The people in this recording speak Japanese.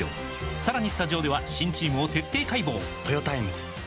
さらにスタジオでは新チームを徹底解剖！